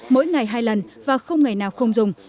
mỗi ngày hai lần và không ngày nào không dùng